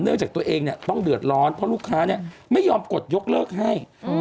จากตัวเองเนี่ยต้องเดือดร้อนเพราะลูกค้าไม่ยอมกดยกเลิกให้